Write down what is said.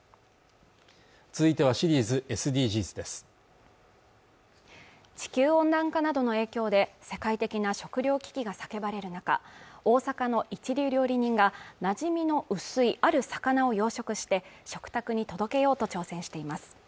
続いてはシリーズ「ＳＤＧｓ」です地球温暖化などの影響で世界的な食糧危機が叫ばれる中大阪の一流料理人がなじみの薄いある魚を養殖して食卓に届けようと挑戦しています